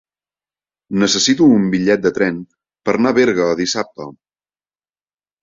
Necessito un bitllet de tren per anar a Berga dissabte.